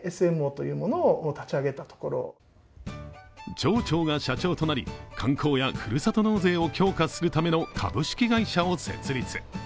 町長が社長となり、観光やふるさと納税を強化するための株式会社を設立。